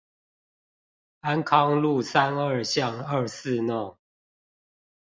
安康路三二巷二四弄